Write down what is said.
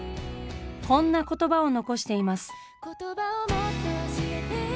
こんな言葉を残しています。